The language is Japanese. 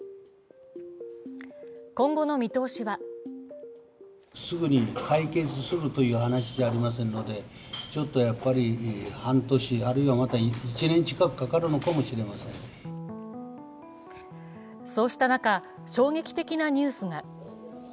今後の見通しはそうした中、衝撃的なニュースが。